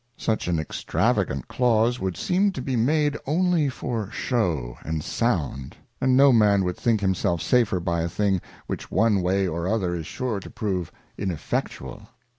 Such an extravagant Clause would seem to be made only for shew and sound, and no Man would think himself safer by a thing which one way or other is sure to prove ineffectual.